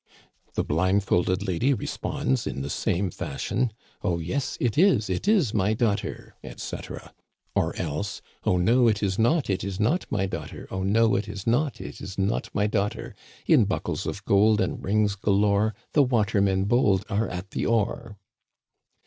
The blindfolded lady responds in the same fashion :" Oh, yes, it is, it is my daughter, etc. Or else :" Oh, no, it is not, it is not my daughter ; Oh, no, it is not, it is not my daughter. In buckles of gold and rings galore. The watermen bold are at the oar."